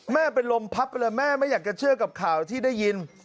แม่เป็นลมพับไปเลยแม่ไม่อยากจะเชื่อกับข่าวที่ได้ยิน